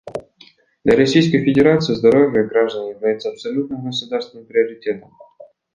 Для Российской Федерации здоровье граждан является абсолютным государственным приоритетом.